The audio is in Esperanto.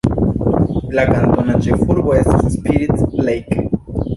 La kantona ĉefurbo estas Spirit Lake.